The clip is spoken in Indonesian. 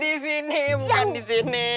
di sini bukan di sini